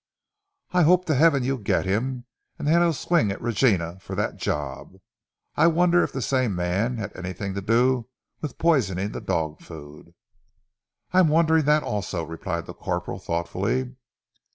"I hope to heaven you'll get him, and that he'll swing at Regina for that job. I wonder if the same man had anything to do with poisoning the dog food." "I am wondering that also!" replied the corporal thoughtfully.